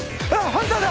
ハンターだ。